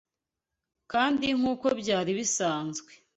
kandi nk’uko byari bisanzwe